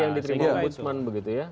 ada modus berengganan yang diterima ombudsman